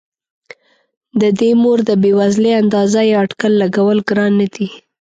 د دې مور د بې وزلۍ اندازه یا اټکل لګول ګران نه دي.